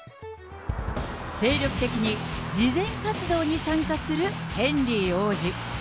精力的に慈善活動に参加するヘンリー王子。